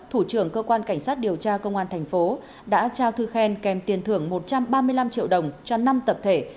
thủ trưởng cơ quan cảnh sát điều tra công an thành phố đã trao thư khen kèm tiền thưởng một trăm ba mươi năm triệu đồng cho năm tập thể